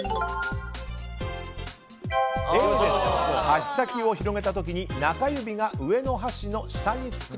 箸先を広げた時に中指が上の箸の下につく。